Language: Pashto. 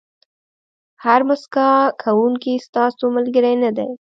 هر موسکا کوونکی ستاسو ملګری نه دی.